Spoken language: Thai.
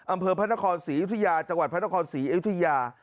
อำเภอพันธครศรีอยุธิญาจังหวัดพันธครศรีอยุธิญา